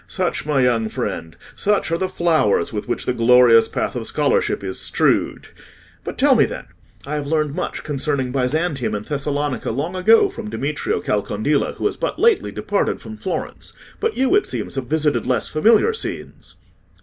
Such, my young friend—such are the flowers with which the glorious path of scholarship is strewed! But tell me, then: I have learned much concerning Byzantium and Thessalonica long ago from Demetrio Calcondila, who has but lately departed from Florence; but you, it seems, have visited less familiar scenes?"